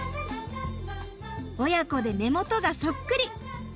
親子で目元がそっくり！